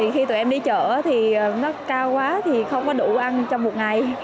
khi tụi em đi chợ thì nó cao quá thì không có đủ ăn trong một ngày